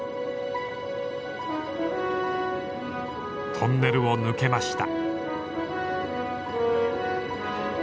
トンネルを抜けました。